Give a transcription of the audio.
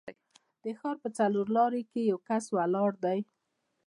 د ښار په څلورلارې کې یو کس ولاړ دی.